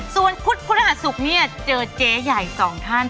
ส่วนพุธพฤหัสศุกร์เนี่ยเจอเจ๊ใหญ่สองท่าน